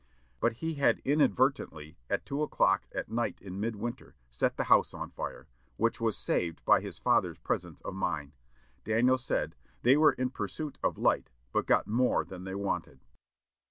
But he had inadvertently, at two o'clock at night in midwinter, set the house on fire, which was saved by his father's presence of mind. Daniel said, "They were in pursuit of light, but got more than they wanted."